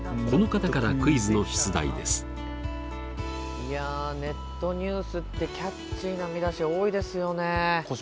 いやネットニュースってキャッチーな見出し多いですよね。